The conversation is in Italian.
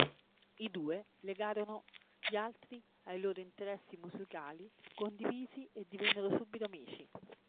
I due legarono gli altri ai loro interessi musicali condivisi e divennero subito amici.